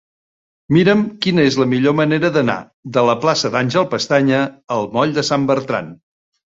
Mira'm quina és la millor manera d'anar de la plaça d'Àngel Pestaña al moll de Sant Bertran.